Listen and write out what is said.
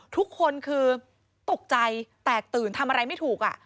ทุกคนคือตกใจแตกตื่นทำอะไรไม่ถูก